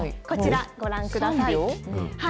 こちらご覧ください。